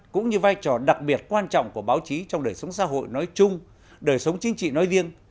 cũng như vai trò đặc biệt quan trọng của báo chí trong đời sống xã hội nói chung đời sống chính trị nói riêng